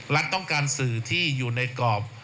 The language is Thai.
รัฐต้องการสื่อที่อยู่ในกรอบ